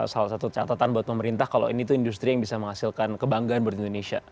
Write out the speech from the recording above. salah satu catatan buat pemerintah kalau ini tuh industri yang bisa menghasilkan kebanggaan buat indonesia